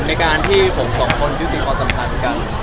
ในการที่ผมสองคนยุติภัณฑ์สำคัญกัน